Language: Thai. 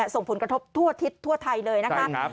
ส่งผลกระทบทั่วทิศทั่วไทยเลยนะคะ